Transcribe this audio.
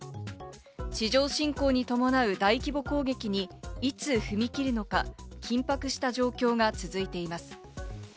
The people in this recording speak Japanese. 地上侵攻を伴う大規模攻撃にいつ踏み切るのか、緊迫した状況が続いています。